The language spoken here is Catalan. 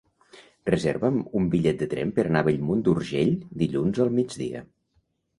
Reserva'm un bitllet de tren per anar a Bellmunt d'Urgell dilluns al migdia.